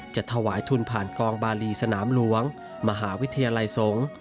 ถวายทุนผ่านกองบาลีสนามหลวงมหาวิทยาลัยสงฆ์